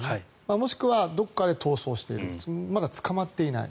もしくはどこかで逃走しているまだ捕まっていない。